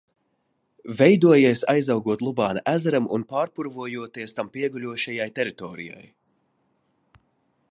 Veidojies, aizaugot Lubāna ezeram un pārpurvojoties tam pieguļošajai teritorijai.